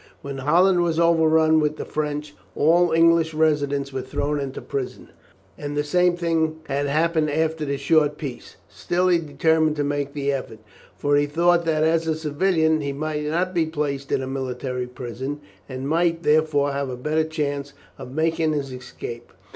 When Holland was overrun with the French, all English residents were thrown into prison, and the same thing had happened after the short peace; still he determined to make the effort, for he thought that as a civilian he might not be placed in a military prison, and might, therefore, have a better chance of making his escape.